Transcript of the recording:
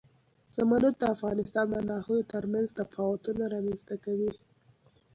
زمرد د افغانستان د ناحیو ترمنځ تفاوتونه رامنځ ته کوي.